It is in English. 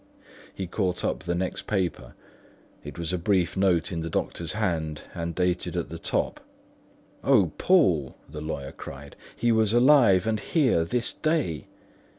He caught up the next paper; it was a brief note in the doctor's hand and dated at the top. "O Poole!" the lawyer cried, "he was alive and here this day.